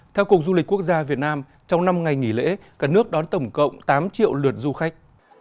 theo cục du lịch quốc gia việt nam trong năm ngày nghỉ lễ cả nước đón tổng cộng tám triệu lượt du khách